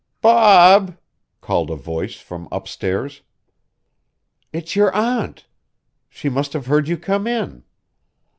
"Bob!" called a voice from upstairs. "It's your aunt; she must have heard you come in."